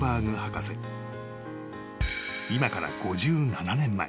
［今から５７年前。